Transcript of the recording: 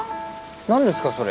何ですかそれ。